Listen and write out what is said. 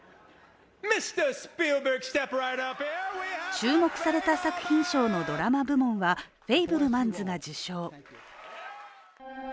注目された作品賞のドラマ部門は「フェイブルマンズ」が受賞。